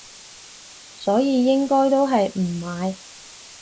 所以應該都係唔買